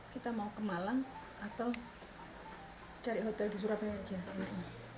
kita mau ke malang atau cari hotel di surabaya aja